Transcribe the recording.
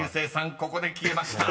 ［ここで消えました。